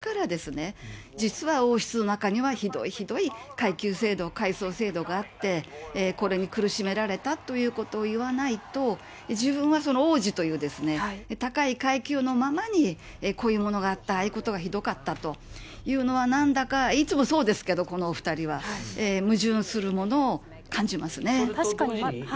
て、まず王子を返上したり、王位継承を返上してからですね、実は王室の中には、ひどいひどい階級制度、階層制度があって、これに苦しめられたということを言わないと、自分はその王子というですね、高い階級のままに、こういうものがあった、ああいうことがひどかったというのは、なんだかいつもそうですけど、このお２人は。矛盾するものを感じますね。